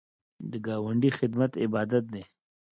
د ګاونډي خدمت عبادت دی